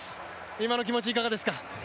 今の気持ち、いかがですか？